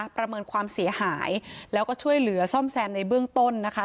ประเมินความเสียหายแล้วก็ช่วยเหลือซ่อมแซมในเบื้องต้นนะคะ